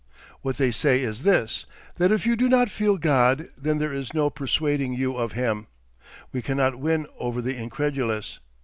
What they say is this; that if you do not feel God then there is no persuading you of him; we cannot win over the incredulous.